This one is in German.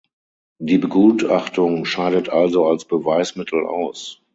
Die Begutachtung scheidet also als Beweismittel aus.